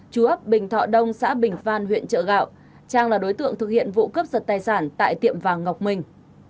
chú ấp bình thọ đông xã bình phan huyện chợ gạo trang là đối tượng thực hiện vụ cướp giật tài sản tại tiệm vàng ngọc minh